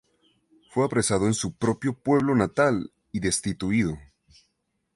Fue apresado en su propio pueblo natal y destituido.